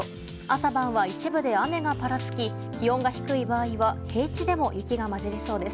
朝晩は一部で雨がぱらつき気温が低い場合は平地でも雪が交じりそうです。